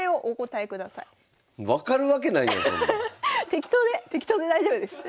適当で適当で大丈夫です。